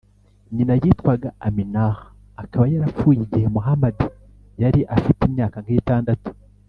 nyina yitwaga āminah, akaba yarapfuye igihe muhamadi yari afite imyaka nk’itandatu.